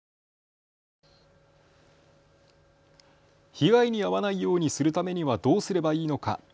被害に遭わないようにするためにはどうすればいいのか。